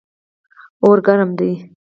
اور ګرم دی.